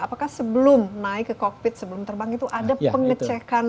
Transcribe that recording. apakah sebelum naik ke kokpit sebelum terbang itu ada pengecekan